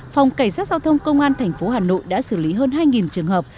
phòng cảnh sát giao thông công an tp hà nội đã xử lý hơn hai trường hợp